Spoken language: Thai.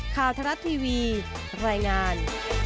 ข้าวทะลัดทีวีรายงาน